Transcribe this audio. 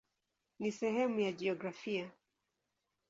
Ni sehemu ya jiografia.